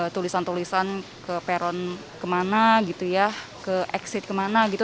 tulisan tulisan ke peron kemana gitu ya ke exit kemana gitu